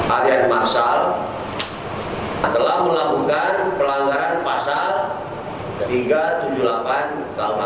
ad marsal adalah melakukan pelanggaran pasal tiga ratus tujuh puluh delapan kuhp